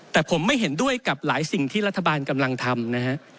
แต่ผมไม่เห็นด้วยกับหลายสิ่งที่รัฐบาลกำลังทำนะฮะ